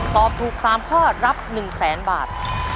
ตอบถูก๓ข้อรับ๑๐๐๐๐๐บาท